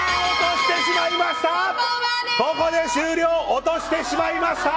落としてしまいました！